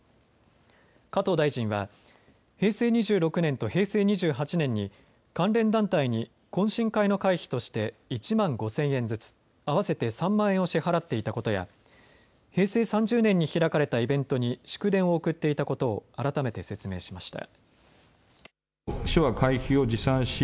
加藤大臣は平成２６年と平成２８年に関連団体に懇親会の会費として１万５０００円ずつ合わせて３万円を支払っていたことや平成３０年に開かれたイベントに祝電を送っていたことを改めて説明しました。